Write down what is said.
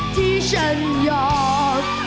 ที่ฉันยอม